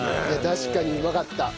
確かにうまかった。